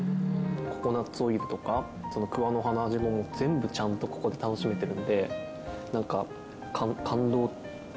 ココナッツオイルとか桑の葉の味も全部ちゃんとここで楽しめてるのでなんか感動しか言えないですね